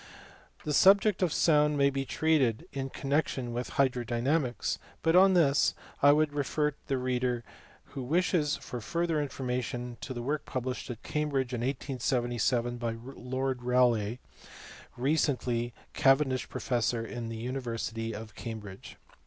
The subject of sound may be treated in connection with hydrodynamics, but on this I would refer the reader who wishes for further information to the work published at Cam bridge in 1877 by Lord Rayleigh, recently Cavendish professor in the university of Cambridge.